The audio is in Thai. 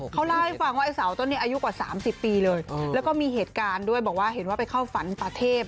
เขาเล่าให้ฟังว่าไอ้เสาต้นนี้อายุกว่า๓๐ปีเลยแล้วก็มีเหตุการณ์ด้วยบอกว่าเห็นว่าไปเข้าฝันป่าเทพ